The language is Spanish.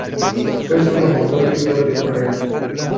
Fue su promotor Víctor de Correa.